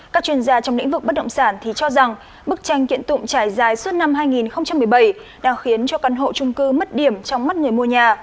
các chuyên gia trong lĩnh vực bất động sản thì cho rằng bức tranh kiện tụng trải dài suốt năm hai nghìn một mươi bảy đang khiến cho căn hộ trung cư mất điểm trong mắt người mua nhà